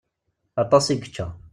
Aṭas i yečča.